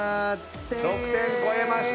６点超えました！